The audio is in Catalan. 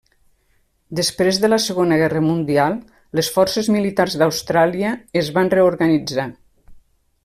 Després de la Segona Guerra Mundial les forces militars d'Austràlia es van reorganitzar.